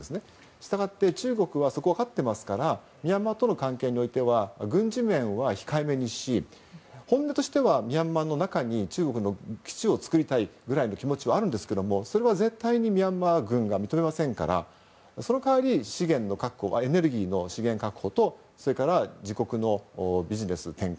従って、中国はそこを分かってますからミャンマーとの関係においては軍事面は控えめにし本音としてはミャンマーの中に中国の基地を作りたいという気持ちはあるんですがそれは絶対にミャンマー軍が認めませんから、その代わりエネルギーの資源確保とそれから自国のビジネス展開